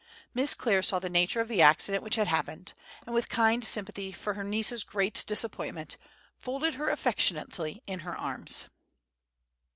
Miss Clare saw the nature of the accident which had happened, and, with kind sympathy for her niece's great disappointment, folded her affectionately in her arms.